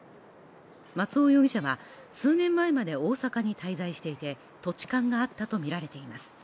松尾容疑者は、数年前まで大阪に滞在していて、土地勘があったとみられています。